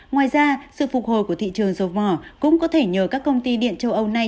ngoài ra sự phục hồi của thị trường dầu mỏ cũng có thể nhờ các công ty điện châu âu này